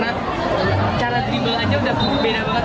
dan kalau di situ kan seperti atlet juga